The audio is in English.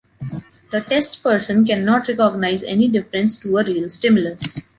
The test person cannot recognize any difference to a real stimulus.